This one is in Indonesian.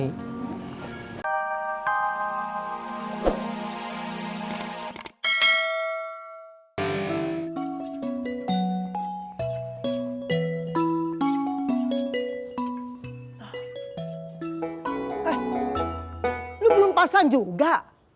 eh lu belum pasan juga